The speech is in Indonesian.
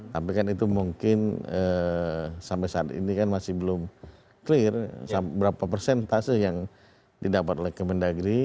tapi kan itu mungkin sampai saat ini kan masih belum clear berapa persentase yang didapat oleh kemendagri